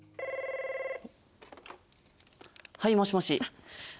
☎はいもしもし。